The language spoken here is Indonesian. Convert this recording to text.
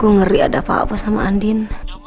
gue ngeri ada pak apa sama andin